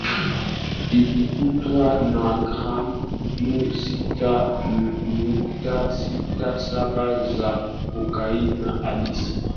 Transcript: alikutwa na gramu sita nukta sita saba za cocaine halisi